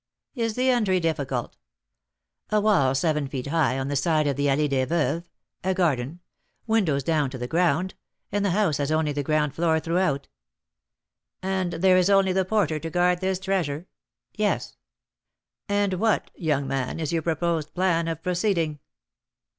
"Is the entry difficult?" "A wall seven feet high on the side of the Allée des Veuves, a garden, windows down to the ground, and the house has only the ground floor throughout." "And there is only the porter to guard this treasure?" "Yes." "And what, young man, is your proposed plan of proceeding?"